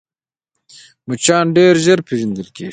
مچان ډېر ژر پېژندل کېږي